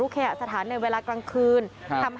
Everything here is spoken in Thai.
นี้เขาใส่หน้ากากอนามัยค่ะ